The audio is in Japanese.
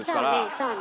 そうね。